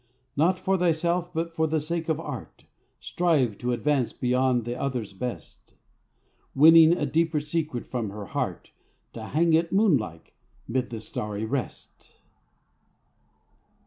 Not for thyself, but for the sake of Art, Strive to advance beyond the others' best; Winning a deeper secret from her heart To hang it moonlike 'mid the starry rest.